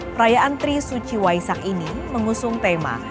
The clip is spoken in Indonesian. perayaan trisuci waisak ini mengusung tema